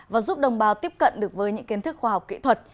và giúp đồng bào tiếp cận được với những kiến thức khoa học kỹ thuật